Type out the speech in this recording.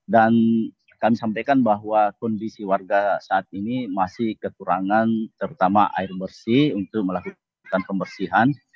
dan kami sampaikan bahwa kondisi warga saat ini masih keturangan terutama air bersih untuk melakukan pembersihan